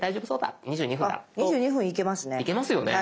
あっ２２分いけますね。